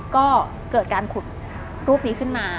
ก็เกิดการขุดรูปนี้ขึ้นมา